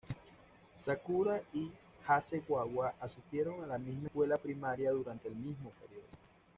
Sakura y Hasegawa asistieron a la misma escuela primaria durante el mismo período.